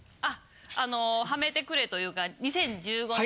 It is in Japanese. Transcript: あのはめてくれと言うか２０１５年に。